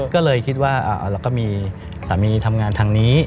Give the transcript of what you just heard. ก็เลยคิดว่าเราก็มีสามีทำงานทางนี้